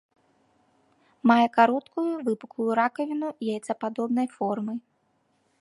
Мае кароткую выпуклую ракавіну яйцападобнай формы.